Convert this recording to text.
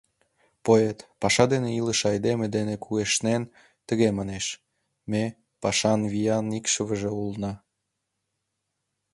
Поэт, паша дене илыше айдеме дене кугешнен, тыге манеш: «Ме пашан виян икшывыже улына».